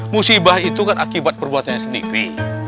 musibah itu kan akibat perbuatannya sendiri